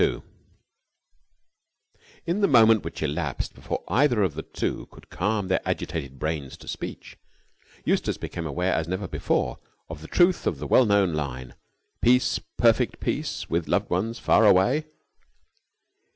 2 In the moment which elapsed before either of the two could calm their agitated brains to speech, Eustace became aware, as never before, of the truth of that well known line, "Peace, perfect Peace, with loved ones far away!"